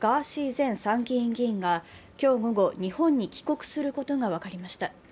前参議院議員が今日午後、日本に帰国することが分かりました。